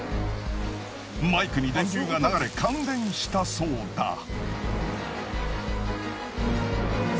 マイクに電流が流れ感電したそうだ。